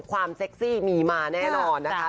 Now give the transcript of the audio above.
เซ็กซี่มีมาแน่นอนนะคะ